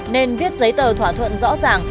nên viết giấy tờ thỏa thuận rõ ràng